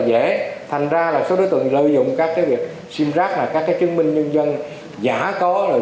dễ thành ra là số đối tượng lợi dụng các cái việc simrack các cái chứng minh nhân dân giả có rồi